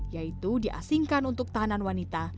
yaitu diasingkan untuk tahanan wanita